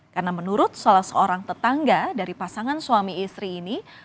karena menurut salah seorang tetangga dari pasangan suami istri ini